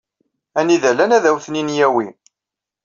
Anida llan ad awen-ten-in-yawi.